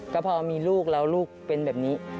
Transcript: ก็พอมีลูกแล้วลูกเป็นแบบนี้